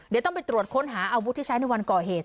เดี๋ยวต้องไปตรวจค้นหาอาวุธที่ใช้ในวันก่อเหตุ